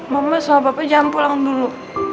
mama sama bapak jangan pulang dulu